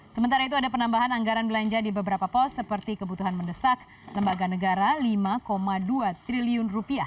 sementara itu ada penambahan anggaran belanja di beberapa pos seperti kebutuhan mendesak lembaga negara rp lima dua triliun